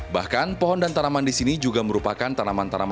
bahkan pohon dan tanaman di sini juga merupakan kondisi yang sangat berguna